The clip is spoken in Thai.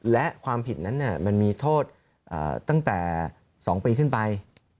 และความผิดนั้นมันมีโทษตั้งแต่๒ปีขึ้นไป